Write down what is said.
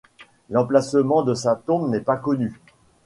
L'emplacement de sa tombe n'est pas connu.